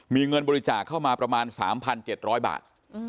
มีเงินบริจาคเข้ามาประมาณ๓๗๐๐บาท